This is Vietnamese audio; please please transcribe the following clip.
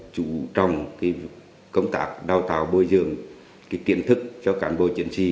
chủ trọng công tác đào tạo bôi dường kiện thức cho cản bộ chiến sĩ